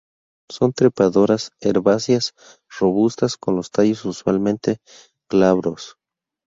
Son trepadoras herbáceas, robustas; con los tallos usualmente glabros.